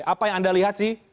apa yang anda lihat sih